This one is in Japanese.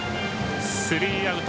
スリーアウト。